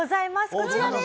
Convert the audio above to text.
こちらです。